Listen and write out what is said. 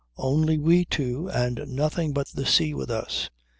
Only we two and nothing but the sea with us.